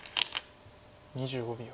２５秒。